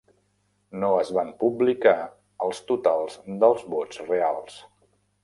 No es van publicar els totals dels vots reals.